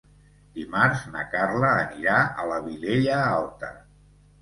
Dimarts na Carla anirà a la Vilella Alta.